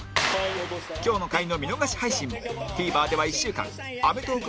今日の回の見逃し配信も ＴＶｅｒ では１週間アメトーーク